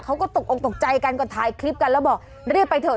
เขาก็ตกออกตกใจกันก็ถ่ายคลิปกันแล้วบอกรีบไปเถอะ